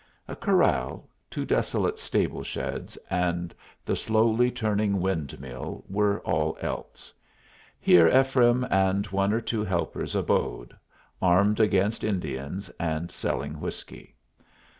A corral, two desolate stable sheds, and the slowly turning windmill were all else. Here Ephraim and one or two helpers abode, armed against Indians, and selling whiskey.